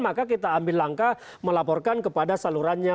maka kita ambil langkah melaporkan kepada salurannya